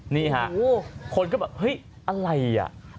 นี่ฮะคนก็แบบเฮ้ยอะไรอ่ะ